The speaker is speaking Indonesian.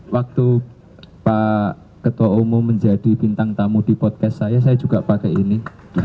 waktu pak ketua umum menjadi bintang tamu di podcast saya saya juga pakai ini